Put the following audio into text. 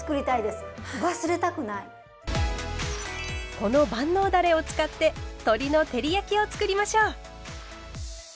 この万能だれを使って鶏の照り焼きをつくりましょう。